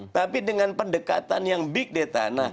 tapi dengan pendekatan yang big data